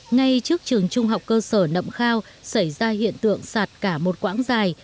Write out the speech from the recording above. ngay trước trường trung học cơ sở nậm khao xảy ra hiện tượng sạt cả một quãng dài